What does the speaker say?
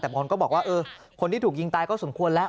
แต่บางคนก็บอกว่าคนที่ถูกยิงตายก็สมควรแล้ว